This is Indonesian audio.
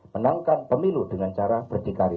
menangkan pemilu dengan cara berdikari